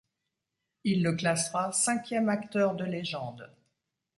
Il le classera cinquième acteur de légende.